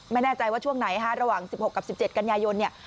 ไม่แน่ใจว่าช่วงไหนฮะระหว่าง๑๖กับ๑๗กันยายนเนี่ย